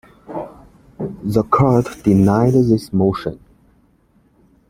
The court denied this motion.